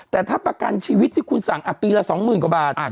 แต่ถ้าประกันชีวิตที่คุณสั่งปีละ๒๐๐๐กว่าบาท